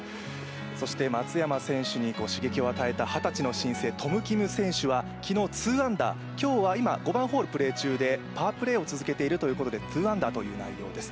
そして松山選手に刺激を与えた二十歳の新星、トム・キム選手は昨日、２アンダー、今日は今５番ホールプレー中でパープレーを続けているということで２アンダーという内容です。